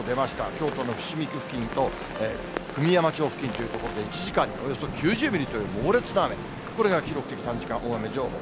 京都の伏見区付近と久御山町付近という所で１時間におよそ９０ミリという猛烈な雨、これが記録的短時間大雨情報。